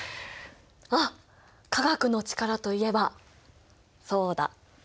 あっ化学の力といえばそうだ。